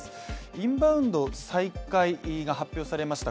インバウンド再開が発表されました